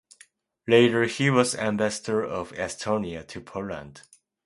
Later he was Ambassador of Estonia to Poland.